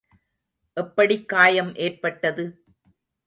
எப்படிக் காயம் ஏற்பட்டடது?